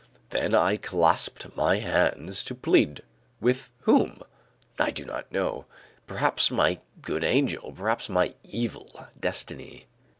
Then I clasped my hands to plead with whom? I do not know; perhaps my good angel, perhaps my evil destiny.